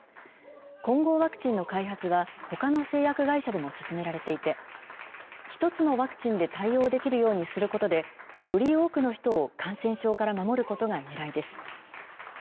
混合ワクチンの開発はほかの製薬会社でも進められていて、１つのワクチンで対応できるようにすることで、より多くの人を感染症から守ることがねらいです。